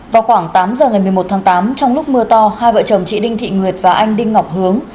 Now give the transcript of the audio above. vào khoảng tám giờ ngày một mươi một tháng tám trong lúc mưa to hai vợ chồng chị đinh thị nguyệt và anh đinh ngọc hướng